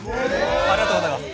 ありがとうございます。